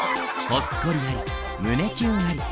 ほっこりあり胸キュンあり。